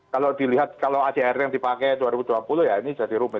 kalau dilihat kalau adrt yang dipakai dua ribu dua puluh ya ini jadi rumit